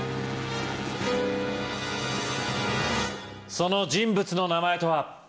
その人物の名前とは？